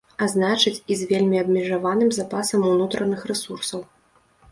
А значыць, і з вельмі абмежаваным запасам унутраных рэсурсаў.